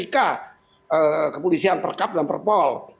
kepolisian perkap dan perpol